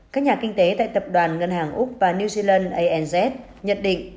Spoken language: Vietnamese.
các nhà kinh tế tại tập đoàn ngân hàng úc và new zealand anz nhận định